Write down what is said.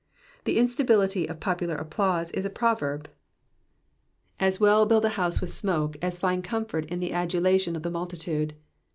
The instability of popular applause is a proverb ; as well build a house with smoke as find comfort in the adulation of the multitude.